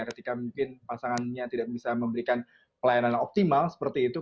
ketika mungkin pasangannya tidak bisa memberikan pelayanan yang optimal seperti itu